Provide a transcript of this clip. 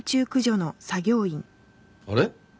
あれ？